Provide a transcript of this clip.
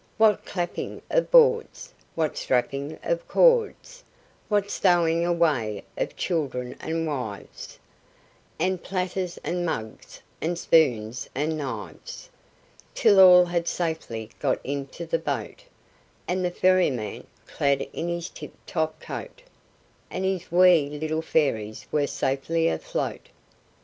What clapping of boards, What strapping of cords, What stowing away of children and wives, And platters and mugs, and spoons and knives, Till all had safely got into the boat, And the ferryman, clad in his tip top coat, And his wee little fairies were safely afloat!